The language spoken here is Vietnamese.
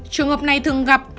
trường hợp này thường gặp